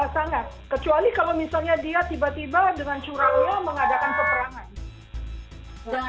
sangat kecuali kalau misalnya dia tiba tiba dengan curangnya mengadakan peperangan